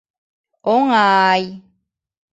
Оҥа-ай!